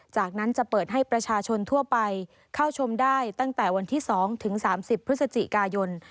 จากนั้นจะเปิดให้ประชาชนทั่วไปเข้าชมได้ตั้งแต่วันที่๒ถึง๓๐พฤศจิกายน